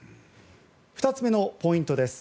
２つ目のポイントです。